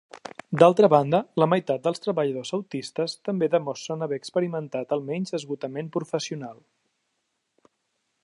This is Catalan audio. D'altra banda, la meitat dels treballadors autistes també demostren haver experimentat almenys esgotament professional.